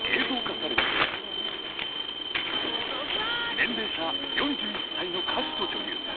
［年齢差４１歳の歌手と女優］